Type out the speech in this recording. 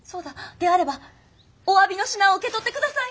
であればおわびの品を受け取って下さい！